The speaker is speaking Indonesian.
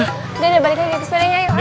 udah udah balik lagi